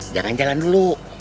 jangan jalan dulu